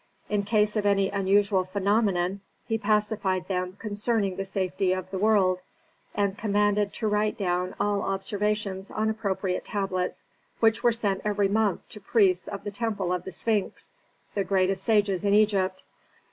In case of any unusual phenomenon he pacified them concerning the safety of the world, and commanded to write down all observations on appropriate tablets, which were sent every month to priests of the temple of the Sphinx, the greatest sages in Egypt.